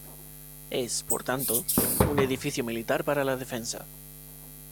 Es, por tanto, un edificio militar para la defensa.